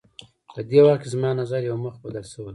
په دې وخت کې زما نظر یو مخ بدل شوی و.